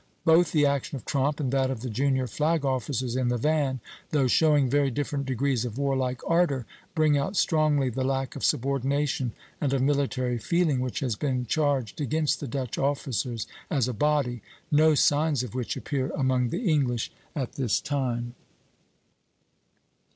Both the action of Tromp and that of the junior flag officers in the van, though showing very different degrees of warlike ardor, bring out strongly the lack of subordination and of military feeling which has been charged against the Dutch officers as a body; no signs of which appear among the English at this time.